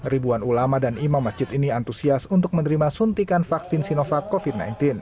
ribuan ulama dan imam masjid ini antusias untuk menerima suntikan vaksin sinovac covid sembilan belas